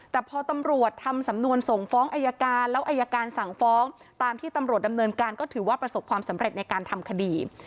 แต่พอตำรวจทำสำนวนส่งฟ้องอายการแล้วอายการสั่งฟ้องตามที่ตำรวจดำเนินการก็ถือว่าประสบความสำเร็จในการทำคดี